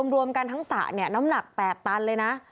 รวมกันทั้งสระน้ำหนักแปลกตันเลยนะ